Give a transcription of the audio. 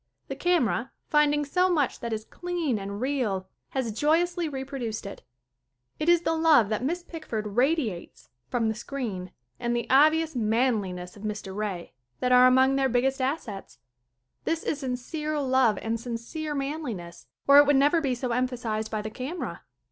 The camera, finding so much that is clean and real, has jovously reproduced it. It is the love that Miss Pickford radiates from the screen and the obvious manliness of Mr. Ray that are among their biggest assets. This is sincere love and sincere manliness, or it would never be so emphasized by the camera.